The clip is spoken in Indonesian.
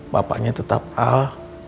papanya tetap al